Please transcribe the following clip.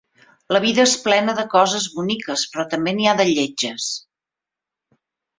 La vida és plena de coses boniques, però també n'hi ha de lletges.